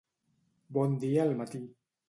Bon dia al matí